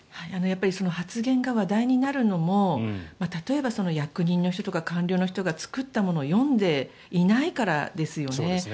発言が話題になるのも例えば役人の人とか官僚の人が作ったものを読んでいないからですよね。